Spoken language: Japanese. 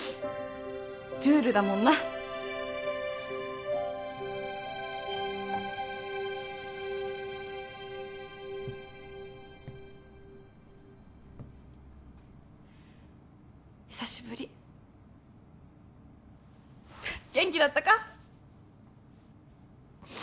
ルールだもんな久しぶり元気だったか？